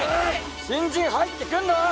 新人入ってくんだよ！